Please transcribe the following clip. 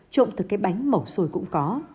trộm thực cái bánh mẩu xôi cũng có